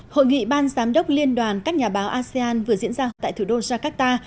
hội nghị ban giám đốc liên đoàn các nhà báo asean vừa diễn ra tại thủ đô jakarta